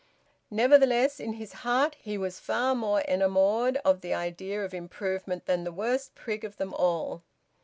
Nevertheless in his heart he was far more enamoured of the idea of improvement than the worst prig of them all.